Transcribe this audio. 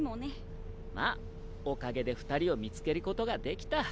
まあおかげで２人を見つけることができた。